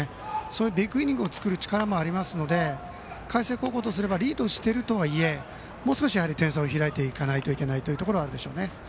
ビッグイニングを作る力もありますので海星高校とすればリードしているとはいえもう少し点差が開いていかないといけないと思います。